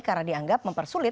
karena dianggap memperlembabkan